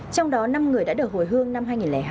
trong đó năm người đã được hồi hương năm hai nghìn hai